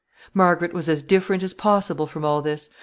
Margaret was as different as possible from all this.